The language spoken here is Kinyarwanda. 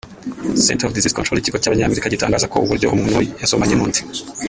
Center of Disease Control Ikigo cy’Abanyamerika gitangaza ko uburyo umuntu yasomanye n’undi